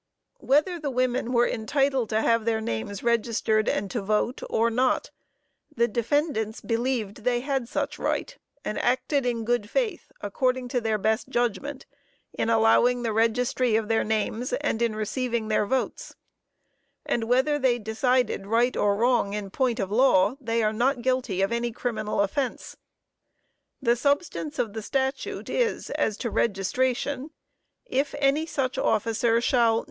Whether the women were entitled to have their names registered and to vote, or not, the defendants believed they had such right, and acted in good faith, according to their best judgment, in allowing the registry of their names and in receiving their votes and whether they decided right or wrong in point of law, they are not guilty of any criminal offense. The substance of the statute is, as to registration: "If any such officer shall